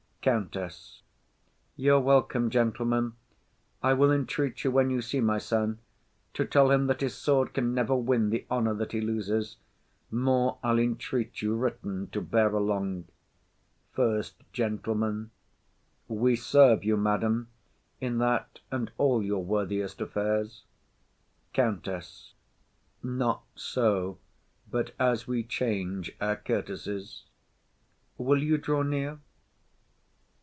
COUNTESS. Y'are welcome, gentlemen. I will entreat you, when you see my son, To tell him that his sword can never win The honour that he loses: more I'll entreat you Written to bear along. SECOND GENTLEMAN. We serve you, madam, In that and all your worthiest affairs. COUNTESS. Not so, but as we change our courtesies. Will you draw near?